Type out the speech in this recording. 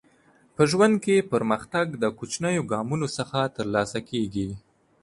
په ژوند کې پرمختګ د کوچنیو ګامونو څخه ترلاسه کیږي.